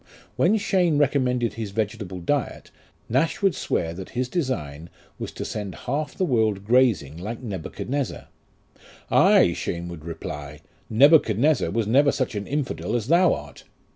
When Cheyne recommended his vegetable diet, Nash would swear that his design was to send half the world grazing like Nebuchadnezzar. " Ay," Cheyne would reply, " Nebuchadnezzar was never such an infidel as thou art.